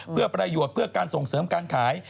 เพื่อประโยชน์เพื่อการส่งเสริมการขาย